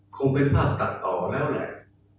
คงเป็นภาพตัดต่อแล้วแหละ